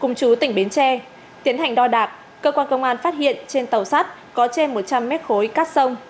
cùng chú tỉnh bến tre tiến hành đo đạc cơ quan công an phát hiện trên tàu sắt có trên một trăm linh mét khối cát sông